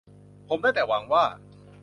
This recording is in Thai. ผมได้แต่หวังว่า